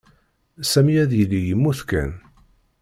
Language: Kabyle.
Sami ad yili yemmut kan.